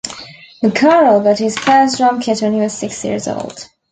McCarroll got his first drum kit when he was six years old.